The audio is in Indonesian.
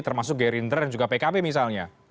termasuk gerinder dan juga pkp misalnya